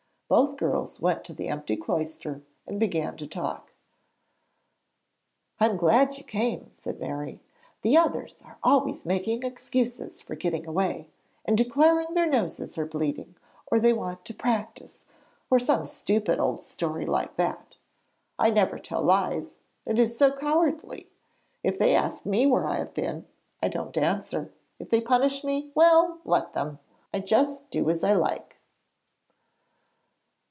Both girls went to the empty cloister, and began to talk: 'I am glad you came,' said Mary. 'The others are always making excuses for getting away, and declaring their noses are bleeding or they want to practise, or some stupid old story like that. I never tell lies; it is so cowardly. If they ask me where I have been, I don't answer. If they punish me well, let them! I just do as I like.'